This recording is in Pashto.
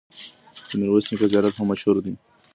د میرویس نیکه زیارت هم مشهور دی.